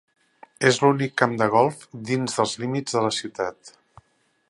És l'únic camp de golf dins dels límits de la ciutat.